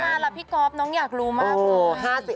สาเหี้ยนพี่กอฟก็ไงสาเหี้ยน